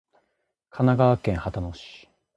神奈川県秦野市